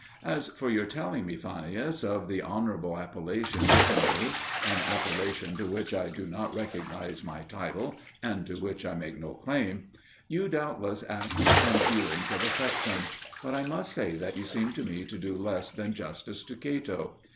As for your telling me, Fannius, of the honourable appellation given me (an appellation to which I do not recognise my title, and to which I make no claim), you doubtless act from feelings of affection; but I must say that you seem to me to do less than justice to Cato.